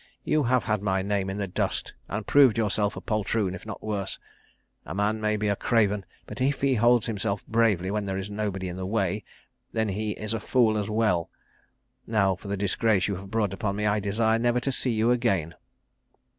You have had my name in the dust, and proved yourself a poltroon, if not worse. A man may be a craven, but if he holds himself bravely when there is nobody in the way, then he is a fool as well. Now for the disgrace you have brought upon me I desire never to see you again."